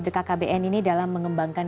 bkkbn ini dalam mengembangkan